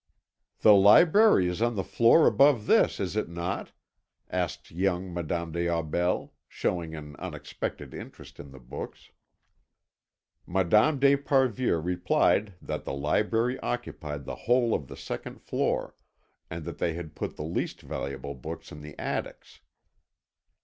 "The library is on the floor above this, is it not?" asked young Madame des Aubels, showing an unexpected interest in the books. Madame d'Esparvieu replied that the library occupied the whole of the second floor, and that they had put the least valuable books in the attics.